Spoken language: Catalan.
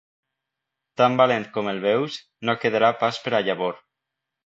Tan valent com el veus, no quedarà pas per a llavor.